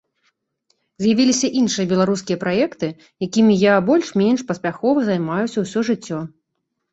З'явіліся іншыя беларускія праекты, якімі я больш-менш паспяхова займаюся ўсё жыццё.